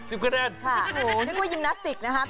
นึกว่ายิ้มนัสติกนะคะท่ารม